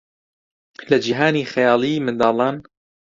لە جیهانی خەیاڵیی منداڵان